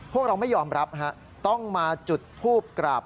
พวกเราไม่ยอมรับต้องมาจุดทูบกราบ